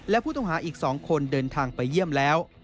และผู้ต้องหาอีก๒คนเดินทางไปเยี่ยมแล้ว